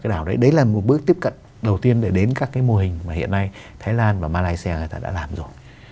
đấy là một bước tiếp cận đầu tiên để đến các cái mô hình mà hiện nay thái lan và malaysia người ta đã làm rồi